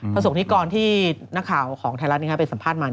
พระสงฆ์นี้ก่อนที่หน้าข่าวของไทยรัฐเป็นสัมภาษณ์มา